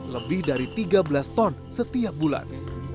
lebih dari tiga belas ton setiap bulan